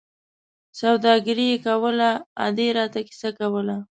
سوداګري یې کوله، ادې را ته کیسه کوله.